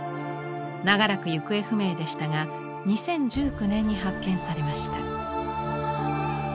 長らく行方不明でしたが２０１９年に発見されました。